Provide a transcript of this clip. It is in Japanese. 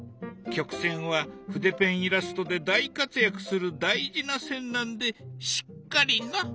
曲線は筆ペンイラストで大活躍する大事な線なんでしっかりな。